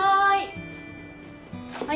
はい。